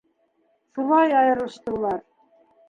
Шулай айырылышты улар.